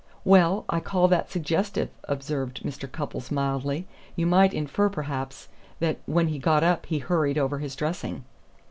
"Well, I call that suggestive," observed Mr. Cupples mildly. "You might infer, perhaps, that when he got up he hurried over his dressing."